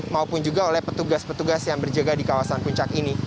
maupun juga oleh petugas petugas yang berjaga di kawasan puncak ini